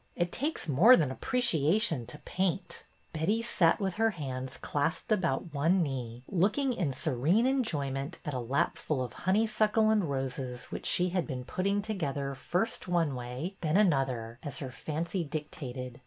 It takes more than appreciation to paint." Betty sat with her hands clasped about one knee, looking in serene enjoyment at a lapful of honeysuckle and roses which she had been putting together first one way, then another, as her fancy dictated.